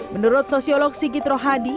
menurut sosiolog sigit rohadi